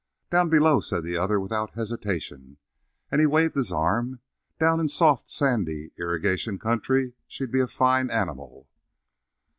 "Down below," said the other without hesitation, and he waved his arm. "Down in soft, sandy irrigation country she'd be a fine animal."